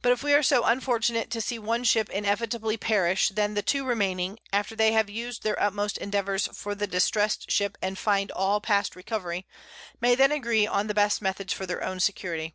_ _But if we are so unfortunate to see one Ship inevitably perish, then the two remaining (after they have us'd their utmost Endeavours for the distress'd Ship, and find all past Recovery) may then agree on the best Methods for their own Security.